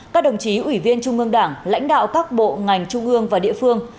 các đồng chí ủy viên trung ương đảng lãnh đạo các bộ ngành trung ương và địa phương